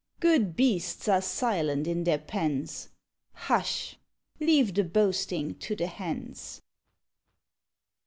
Good beasts are silent in their pens. Hush! Leave the boasting to the hens!